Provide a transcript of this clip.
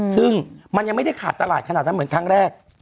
ซึ่งมันยังไม่ได้ขาดตลาดขนาดนั้นเหมือนครั้งแรก